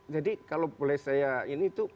jadi kalau boleh saya ini tuh